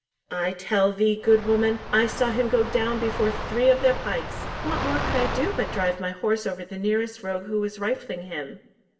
"I tell thee, good woman, I saw him go down before three of their pikes. What more could I do but drive my horse over the nearest rogue who was rifling him?"